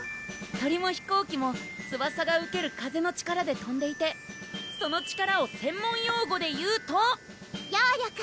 鳥も飛行機も翼が受ける風の力でとんでいてその力を専門用語でいうと揚力！